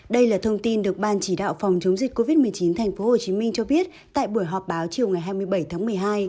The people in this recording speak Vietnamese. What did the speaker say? đây là thông tin được ban chỉ đạo phòng chống dịch covid một mươi chín thành phố hồ chí minh cho biết tại buổi họp báo chiều ngày hai mươi bảy tháng một mươi hai